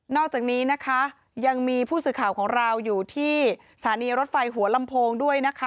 อกจากนี้นะคะยังมีผู้สื่อข่าวของเราอยู่ที่สถานีรถไฟหัวลำโพงด้วยนะคะ